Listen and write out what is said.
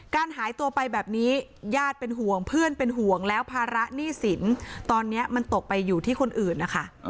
หายตัวไปแบบนี้ญาติเป็นห่วงเพื่อนเป็นห่วงแล้วภาระหนี้สินตอนนี้มันตกไปอยู่ที่คนอื่นนะคะ